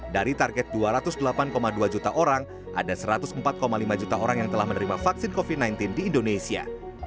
dari target dua ratus delapan dua juta orang ada satu ratus empat lima juta orang yang telah menerima vaksin covid sembilan belas di indonesia